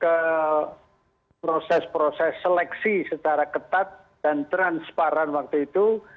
ke proses proses seleksi secara ketat dan transparan waktu itu